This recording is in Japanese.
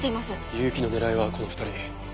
結城の狙いはこの２人。